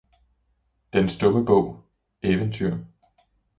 Den stumme bog Eventyr